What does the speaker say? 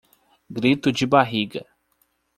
Grito de barriga